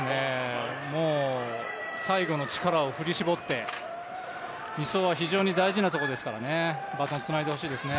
もう最後の力を振り絞って２走は非常に大事なところですからね、バトンをつないでほしいですね。